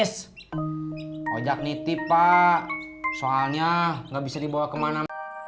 soalnya gak bisa dibawa kemana